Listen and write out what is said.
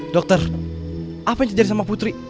dokter apa yang terjadi sama putri